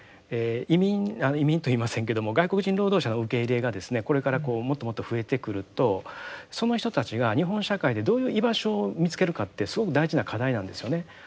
移民あっ移民と言いませんけども外国人労働者の受け入れがですねこれからこうもっともっと増えてくるとその人たちが日本社会でどういう居場所を見つけるかってすごく大事な課題なんですよね。